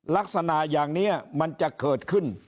ลักษณะอย่างนี้มันจะเกิดขึ้น